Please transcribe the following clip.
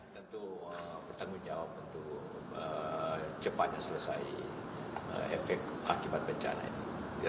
tentu bertanggung jawab untuk cepatnya selesai efek akibat bencana itu